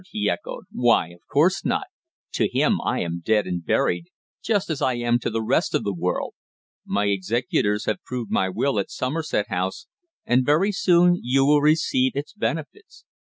he echoed. "Why, of course not. To him I am dead and buried, just as I am to the rest of the world. My executors have proved my will at Somerset House, and very soon you will receive its benefits.